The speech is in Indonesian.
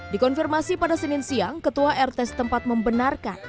dikonfirmasi pada senin siang ketua rt setempat membenarkan